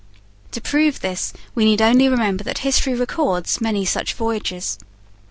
To prove this we need only remember that history records many such voyages.